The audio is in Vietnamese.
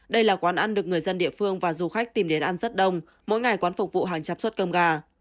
đây là quán ăn được người dân địa phương và du khách tìm đến ăn rất đông mỗi ngày quán phục vụ hàng trăm suất cơm gà